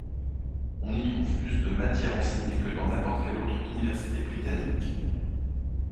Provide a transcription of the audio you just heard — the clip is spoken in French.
On y trouve plus de matière enseignées que dans n'importe quelle autre université britannique.